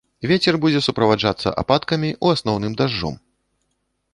Вецер будзе суправаджацца ападкамі, у асноўным дажджом.